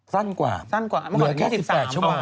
สั้นกว่าเหนือแค่๑๓ชั่วโมงค์สั้นกว่าเหนือแค่๑๓ชั่วโมงค์